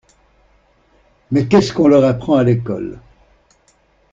Mais qu’est-ce qu’on leur apprend à l’école?